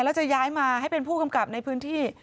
แล้วจะย้ายมาให้เป็นผู้กำกับในพื้นที่